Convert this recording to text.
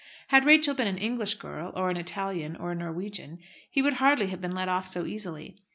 Had Rachel been an English girl, or an Italian, or a Norwegian, he would hardly have been let off so easily.